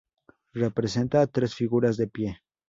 Representa a tres figuras de pie.